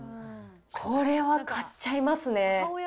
これは買っちゃいますね。